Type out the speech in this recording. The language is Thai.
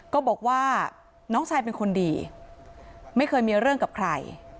ก็บอกว่าน้องชายเป็นคนดีไม่เคยมีเรื่องกับใคร